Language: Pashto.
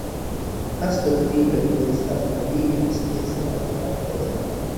آس د کوهي له خولې څخه په ډېرې مستۍ سره بهر ته ودانګل.